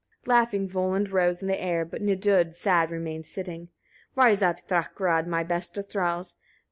36. Laughing Volund rose in air, but Nidud sad remained sitting. 37. "Rise up Thakrad, my best of thralls!